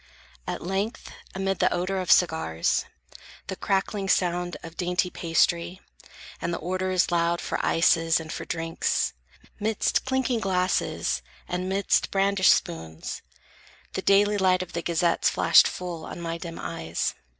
At length, amid the odor of cigars, The crackling sound of dainty pastry, and The orders loud for ices and for drinks, 'Midst clinking glasses, and 'midst brandished spoons, The daily light of the gazettes flashed full On my dim eyes.